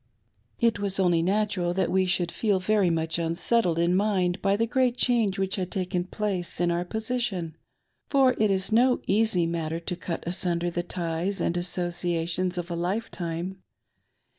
, It was only natural that we should feel very much unsettled in mind by the great change which had taken place in our position, for it is no easy matter to cut asunder the ties and associations of a life time.